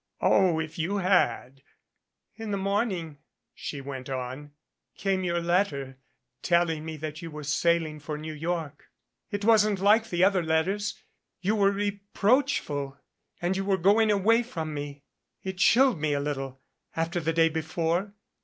"Oh, if you had !". "In the morning," she went on, "came your letter tell ing me that you were sailing for New York. It wasn't like the other letters. You were reproachful and you were going away from me. It chilled me a little after the day before.